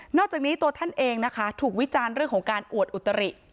อกจากนี้ตัวท่านเองนะคะถูกวิจารณ์เรื่องของการอวดอุตริ